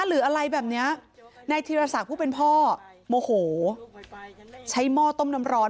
หรืออะไรแบบเนี้ยนายธีรศักดิ์ผู้เป็นพ่อโมโหใช้หม้อต้มน้ำร้อน